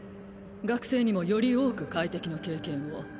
学生にもより多く会敵の経験を。